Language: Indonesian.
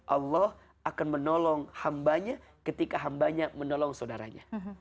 allah akan menolong hambanya ketika hambanya menolong saudaranya